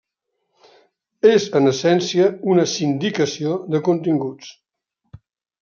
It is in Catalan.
És en essència una sindicació de continguts.